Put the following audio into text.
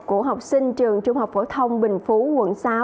của học sinh trường trung học phổ thông bình phú quận sáu